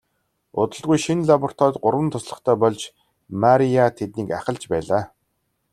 Удалгүй шинэ лабораторид гурван туслахтай болж Мария тэднийг ахалж байлаа.